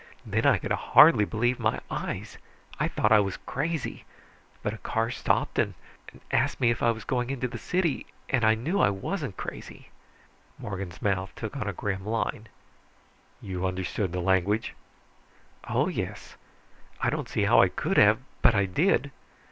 Then I could hardly believe my eyes. I thought I was crazy. But a car stopped and asked me if I was going into the city, and I knew I wasn't crazy." Morgan's mouth took a grim line. "You understood the language?" "Oh, yes. I don't see how I could have, but I did.